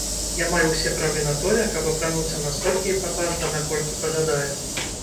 Я маю ўсе правы на тое, каб апрануцца настолькі эпатажна, наколькі пажадаю.